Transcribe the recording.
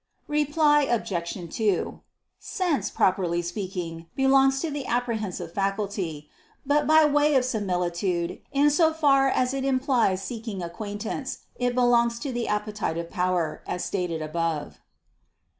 Reply Obj. 2: Sense, properly speaking, belongs to the apprehensive faculty; but by way of similitude, in so far as it implies seeking acquaintance, it belongs to the appetitive power, as stated above.